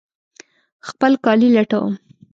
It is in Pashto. خپل کالي لټوم